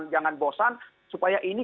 jangan bosan supaya ini